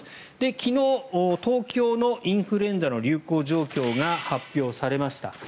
昨日、東京のインフルエンザの流行状況が発表されました。